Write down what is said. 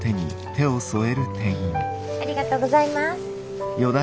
ありがとうございます。